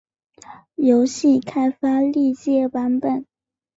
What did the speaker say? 游戏开发历届版本